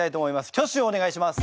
挙手をお願いします。